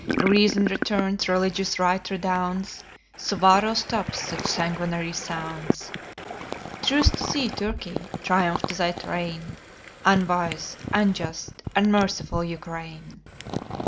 Reason returns, religious right redounds, Suwarrow stops such sanguinary sounds. Truce to thee, Turkey! Triumph to thy train, Unwise, unjust, unmerciful Ukraine!